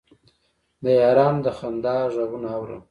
د یارانو د خندا غـــــــــــــــــږونه اورم